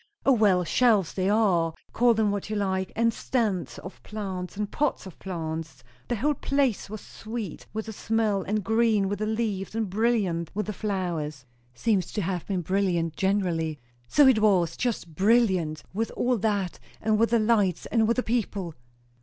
"O, well! shelves they are, call them what you like; and stands of plants and pots of plants the whole place was sweet with the smell, and green with the leaves, and brilliant with the flowers " "Seems to have been brilliant generally." "So it was, just brilliant, with all that, and with the lights, and with the people."